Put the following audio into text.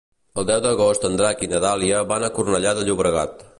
El deu d'agost en Drac i na Dàlia van a Cornellà de Llobregat.